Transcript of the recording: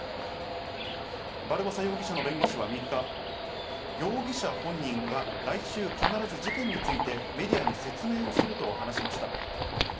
バルボサ容疑者の弁護士は３日、容疑者本人が来週、必ず事件についてメディアに説明をすると話しました。